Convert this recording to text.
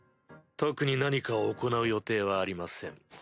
特に何かを行う予定はありません。